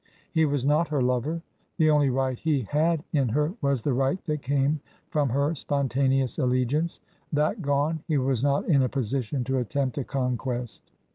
He was not her lover ; the only right he had in her was the right that came from her spontaneous allegiance ; that gone, he was not in a position to attempt a conquest.